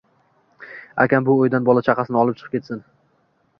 Akam bu uydan bola-chaqasini olib chiqib ketsin